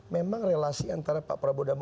memang relasi antara pak prof sandi dan saya